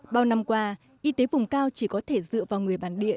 bao năm qua y tế vùng cao chỉ có thể dựa vào người bản địa